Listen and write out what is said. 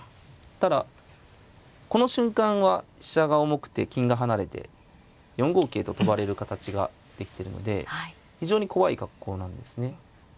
ただこの瞬間は飛車が重くて金が離れて４五桂と跳ばれる形ができてるので非常に怖い格好なんですね。